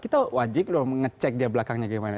kita wajib loh mengecek dia belakangnya gimana